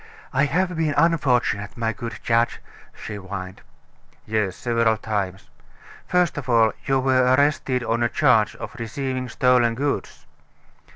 "I have been unfortunate, my good judge," she whined. "Yes, several times. First of all, you were arrested on a charge of receiving stolen goods."